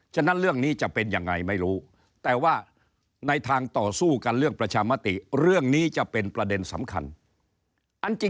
ว่ามันอาจจะเกิดลักษณะสืบทอดนำนาจ